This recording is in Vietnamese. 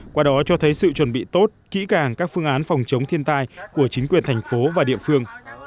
qua đó cho thấy sự chuẩn bị tốt kỹ càng các phương án phòng chống thiên tai của chính quyền thành phố và địa phương